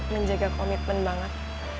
menjaga komitmen banget